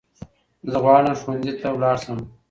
زه غواړم ښونځي ته لاړشم